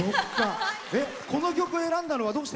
この曲を選んだのはどうして？